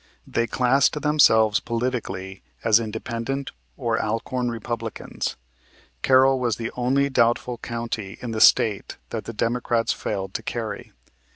They classed themselves politically as Independent or Alcorn Republicans. Carroll was the only doubtful county in the State that the Democrats failed to carry.